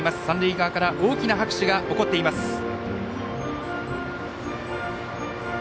三塁側から大きな拍手が起こっています。